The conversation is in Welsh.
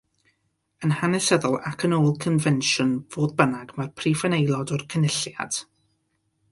Yn hanesyddol ac yn ôl confensiwn, fodd bynnag, mae'r prif yn aelod o'r Cynulliad.